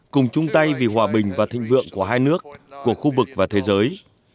cùng chung tay vì hòa bình và thịnh vượng của hai nước của khu vực và thế giới